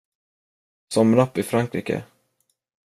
Som rap i Frankrike.